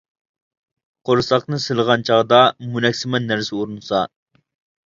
قورساقنى سىلىغان چاغدا مونەكسىمان نەرسە ئۇرۇنسا.